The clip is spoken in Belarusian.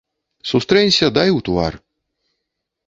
Сустрэнься, дай у твар.